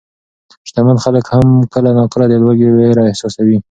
شتمن خلک هم کله ناکله د لوږې وېره احساسوي.